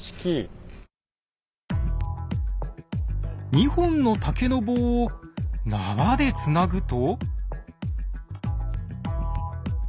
２本の竹の棒を縄でつなぐと。